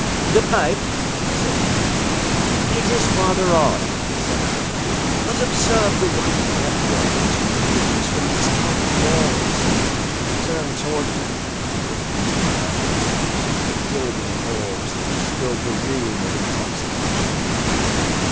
"The pipe," said he. "It is farther on," said I; "but observe the white web work which gleams from these cavern walls." He turned towards me, and looked into my eyes with two filmy orbs that distilled the rheum of intoxication.